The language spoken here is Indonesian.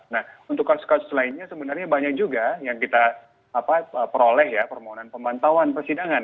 nah untuk kasus kasus lainnya sebenarnya banyak juga yang kita peroleh ya permohonan pemantauan persidangan